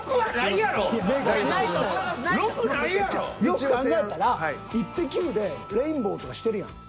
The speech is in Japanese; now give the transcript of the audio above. よく考えたら「イッテＱ！」でレインボーとかしてるやん。